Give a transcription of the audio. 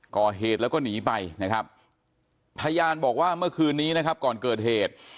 ก่อเหตุแล้วก็หนีไปนะครับพยานบอกว่าเมื่อคืนนี้นะครับก่อนเกิดเหตุ